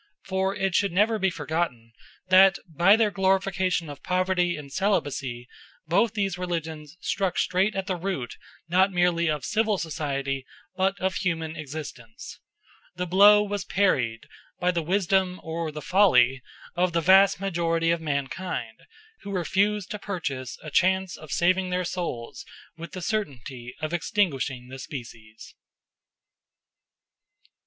For it should never be forgotten that by their glorification of poverty and celibacy both these religions struck straight at the root not merely of civil society but of human existence. The blow was parried by the wisdom or the folly of the vast majority of mankind, who refused to purchase a chance of saving their souls with the certainty of extinguishing the species.